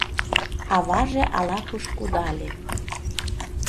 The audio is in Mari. Аваже ала-куш кудале.